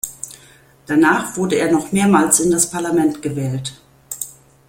Danach wurde er noch mehrmals in das Parlament gewählt.